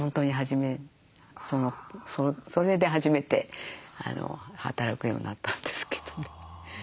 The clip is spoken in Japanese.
それで初めて働くようになったんですけどね。